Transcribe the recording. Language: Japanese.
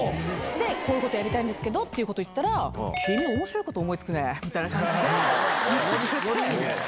こういうことやりたいんですけどって言ったら、君、おもしろいこと思いつくねみたいな感じで言ってくれて。